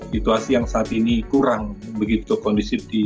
situasi yang saat ini kurang begitu kondisif di